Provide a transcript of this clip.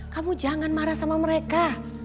kamu jangan marah sama mereka